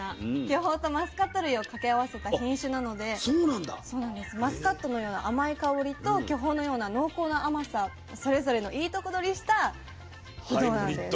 巨峰とマスカット類を掛け合わせた品種なのでマスカットのような甘い香りと巨峰のような濃厚な甘さそれぞれのいいとこ取りしたぶどうなんです。